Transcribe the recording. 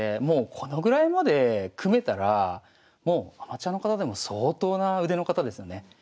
もうこのぐらいまで組めたらもうアマチュアの方でも相当な腕の方ですよね。